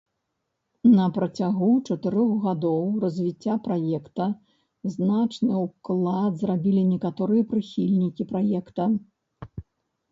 На працягу чатырох гадоў развіцця праекта значны ўклад зрабілі некаторыя прыхільнікі праекта.